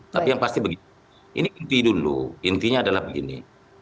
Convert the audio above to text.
tapi yang pasti begini ini inti dulu intinya adalah begini